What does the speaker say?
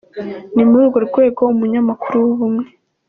Ni muri urwo rwego umunyamakuru w’Ubumwe.